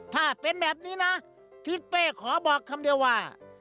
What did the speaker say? ถ้าเป็นแบบนี้นะทิศเป้ขอบอกคำเดียวว่า